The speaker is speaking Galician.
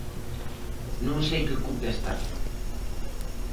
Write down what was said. Non sei que contestar.